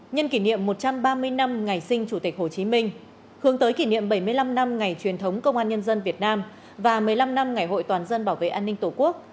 nhân kỷ niệm một trăm ba mươi năm ngày sinh chủ tịch hồ chí minh hướng tới kỷ niệm bảy mươi năm năm ngày truyền thống công an nhân dân việt nam và một mươi năm năm ngày hội toàn dân bảo vệ an ninh tổ quốc